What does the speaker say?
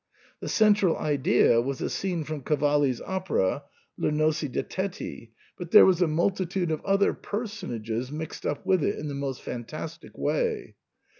The central idea was a scene from Cavalli's opera Le Nozze di Teti^ but there was a multi tude of other personages mixed up with it in the most fantastic way.